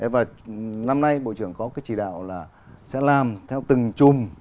và năm nay bộ trưởng có cái chỉ đạo là sẽ làm theo từng chùm